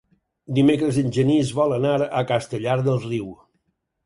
Dimecres en Genís vol anar a Castellar del Riu.